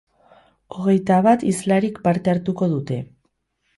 Hogeita bat hizlarik parte hartuko dute.